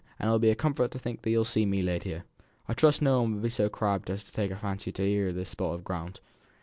And it'll be a comfort to think you'll see me laid here. I trust no one'll be so crabbed as to take a fancy to this 'ere spot of ground."